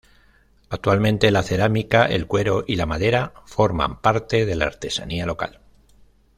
Actualmente, la cerámica, el cuero y la madera forman parte de la artesanía local.